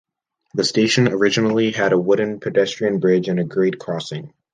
The station originally had a wooden pedestrian bridge and a grade crossing.